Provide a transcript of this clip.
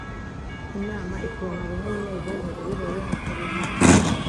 inama iterana rimwe mu mezi ane iyobowe na perezida